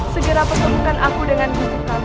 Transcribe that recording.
segera pertemukan aku dengan gusih prabu